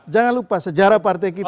jangan lupa sejarah partai kita